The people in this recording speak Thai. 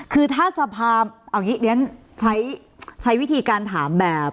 คือถ้าสภาพี่หลืออาจจะใช้วิธีการถาม